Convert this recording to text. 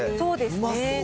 うまそう。